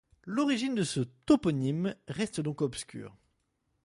L'origine de ce toponyme reste donc obscure.